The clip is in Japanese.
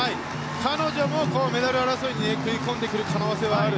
彼女もメダル争いに食い込んでくる可能性がある。